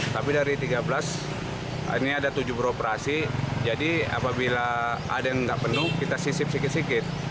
tapi dari tiga belas ini ada tujuh beroperasi jadi apabila ada yang tidak penuh kita sisip sikit sikit